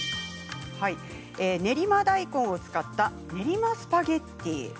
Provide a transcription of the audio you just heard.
練馬大根を使った練馬スパゲッティ。